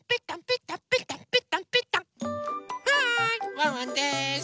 ワンワンです！